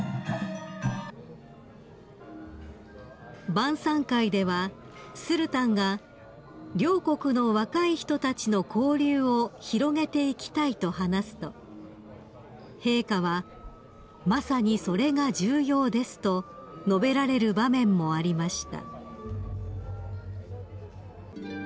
［晩さん会ではスルタンが「両国の若い人たちの交流を広げていきたい」と話すと陛下は「まさにそれが重要です」と述べられる場面もありました］